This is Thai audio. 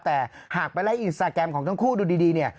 แต่หากไปไล่อินสตาแกรมของทั้งคู่ดูดีเนี่ย